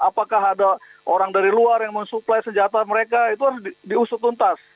apakah ada orang dari luar yang mensuplai senjata mereka itu harus diusut tuntas